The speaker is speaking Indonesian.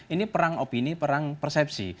ini perang opini perang persepsi